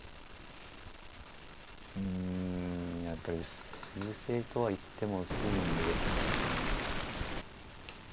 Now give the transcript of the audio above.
うんやっぱり優勢とはいっても薄いんで。